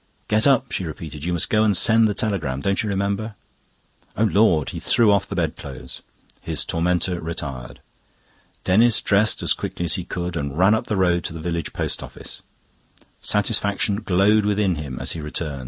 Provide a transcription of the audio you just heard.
"Get up!" she repeated. "You must go and send the telegram. Don't you remember?" "O Lord!" He threw off the bed clothes; his tormentor retired. Denis dressed as quickly as he could and ran up the road to the village post office. Satisfaction glowed within him as he returned.